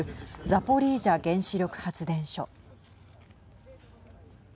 ザポリージャ原子力発電所。